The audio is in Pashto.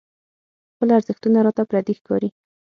خپل ارزښتونه راته پردي ښکاري.